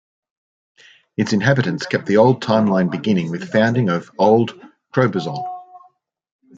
Its inhabitants kept the old timeline beginning with founding of "old" Crobuzon.